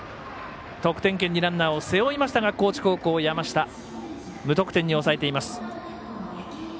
得点圏にランナーを背負いましたが高知高校、山下無得点に抑えています。